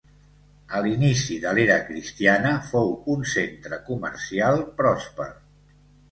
A l'inici de l'era cristiana fou un centre comercial pròsper.